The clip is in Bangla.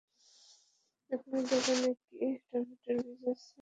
আপনার দোকানে কী টমেটোর বীজ আছে?